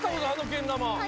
けん玉。